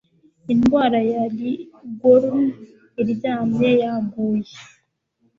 Indwara ya lyngworm iryamye yaguye